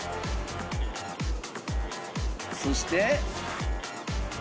そして。